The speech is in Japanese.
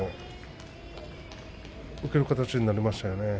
受ける形になりましたね。